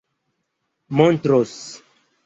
montros